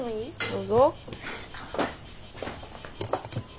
どうぞ。